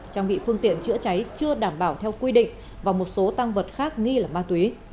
trang bị phương tiện chữa cháy chưa đảm bảo theo quy định và một số tăng vật khác nghi là ma túy